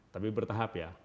tapi bertahap ya